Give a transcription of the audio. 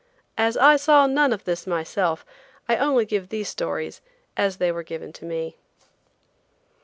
As I saw none of this myself, I only give these stories as they were given to me.